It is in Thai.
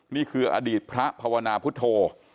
นี่คืออดีตพระภาวนาพุทธโธ